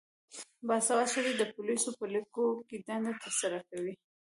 باسواده ښځې د پولیسو په لیکو کې دنده ترسره کوي.